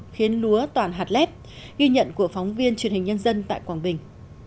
khiến lúa toàn hạt lét ghi nhận của phóng viên truyền hình nhân dân tại quảng bình